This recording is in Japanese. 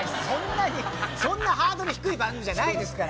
そんなにハードル低い番組じゃないです。